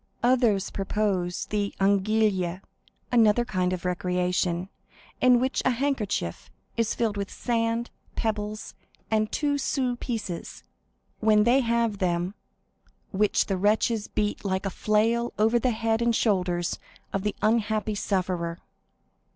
Others proposed the anguille, another kind of recreation, in which a handkerchief is filled with sand, pebbles, and two sous pieces, when they have them, which the wretches beat like a flail over the head and shoulders of the unhappy sufferer.